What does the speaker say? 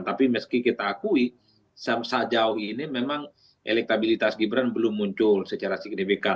tapi meski kita akui sejauh ini memang elektabilitas gibran belum muncul secara signifikan